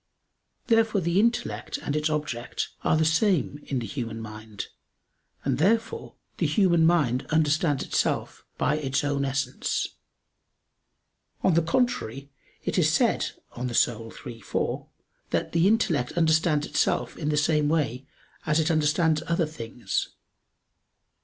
Therefore the intellect and its object are the same in the human mind; and therefore the human mind understands itself by its own essence. On the contrary, It is said (De Anima iii, 4) that "the intellect understands itself in the same way as it understands other things."